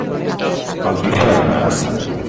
Bautizárona.